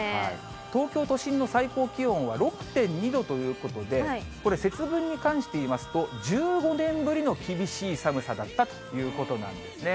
東京都心の最高気温は６．２度ということで、これ、節分に関して言いますと、１５年ぶりの厳しい寒さだったということなんですね。